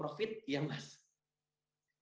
karena kan akan banyak yang mengurangi omset